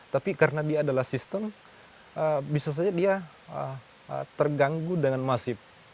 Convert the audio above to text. tapi karena dia adalah sistem bisa saja dia terganggu dengan masif